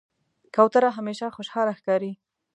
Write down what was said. کوتره همیشه خوشحاله ښکاري.